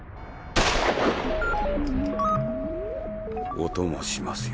お供しますよ。